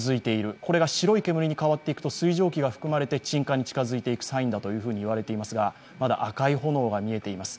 これが白い煙に変わっていくと水蒸気が含まれて鎮火につながっていくサインだと言われていますが、まだ赤い炎が見えます。